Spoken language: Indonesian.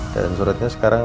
dan suratnya sekarang